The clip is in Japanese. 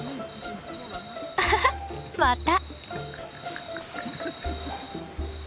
アハハッまた！